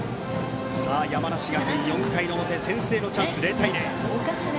山梨学院、４回の表先制のチャンス、０対０。